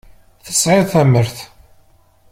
Tesɛiḍ tamert.